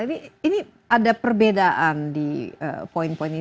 ini ada perbedaan di poin poin ini